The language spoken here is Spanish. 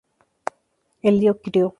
Él lo crio.